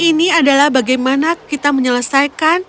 ini adalah bagaimana kita menyelesaikan